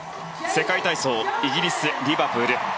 世界体操イギリス・リバプール。